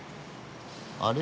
あれ？